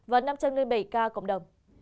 và năm trăm linh bảy ca cộng đồng